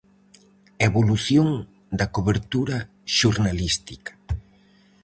Evolución da cobertura xornalística.